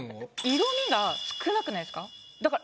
色味が少なくないですか？